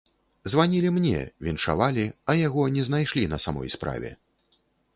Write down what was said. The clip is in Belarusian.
Званілі мне, віншавалі, а яго не знайшлі на самой справе.